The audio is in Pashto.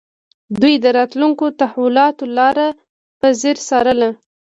دوی د راتلونکو تحولاتو لاره په ځیر څارله